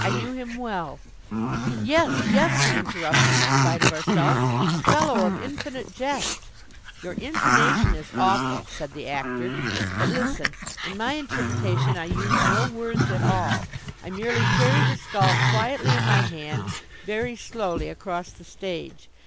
I knew him well '" "Yes, yes!" we interrupted, in spite of ourself, "'a fellow of infinite jest '" "Your intonation is awful," said the Actor. "But listen. In my interpretation I use no words at all. I merely carry the skull quietly in my hand, very slowly, across the stage.